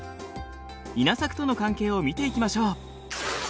稲作との関係を見ていきましょう。